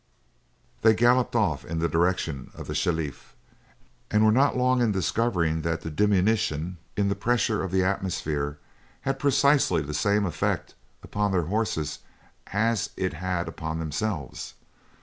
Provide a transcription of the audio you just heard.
They galloped off in the direction of the Shelif, and were not long in discovering that the diminution in the pressure of the atmosphere had precisely the same effect upon their horses as it had had upon themselves.